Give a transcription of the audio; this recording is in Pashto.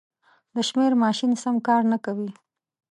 د شمېر ماشین سم کار نه کوي.